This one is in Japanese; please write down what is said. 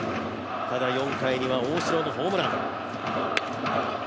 ただ４回には大城のホームラン。